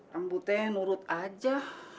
rambutnya nurut aja